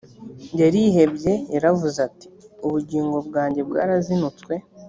yarihebye yaravuze ati ubugingo bwanjye bwarizinutswe